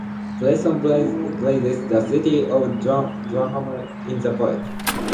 Bryson praises the city of Durham in the book.